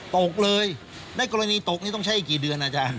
ตกเลยในกรณีตกนี่ต้องใช้อีกกี่เดือนอาจารย์